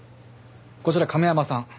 こちら亀山さん。